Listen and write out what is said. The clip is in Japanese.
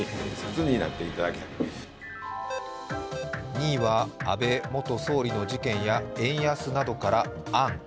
２位は安倍元総理の事件や円安などから「安」。